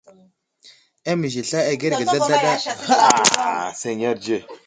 Amiz i sla agərge zlazlaɗa áka məskumiyo.